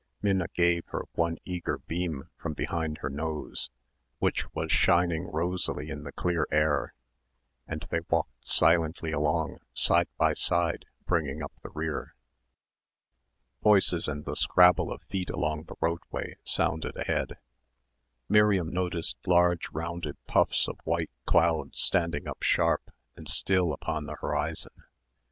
Minna gave her one eager beam from behind her nose, which was shining rosily in the clear air, and they walked silently along side by side bringing up the rear. Voices and the scrabble of feet along the roadway sounded ahead. Miriam noticed large rounded puffs of white cloud standing up sharp and still upon the horizon.